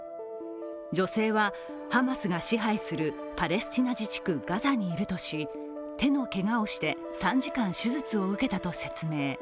女性はハマスが支配するパレスチナ自治区ガザにいるとし、手のけがをして３時間、手術を受けたと説明。